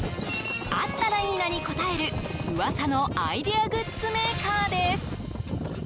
あったらいいなに応えるうわさのアイデアグッズメーカーです。